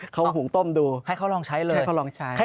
เขาหุงต้มดูให้เขาลองใช้เลยให้เขาลองใช้